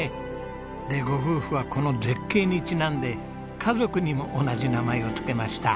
でご夫婦はこの絶景にちなんで家族にも同じ名前を付けました。